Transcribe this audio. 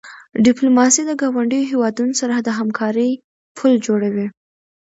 ډیپلوماسي د ګاونډیو هېوادونو سره د همکاری پل جوړوي.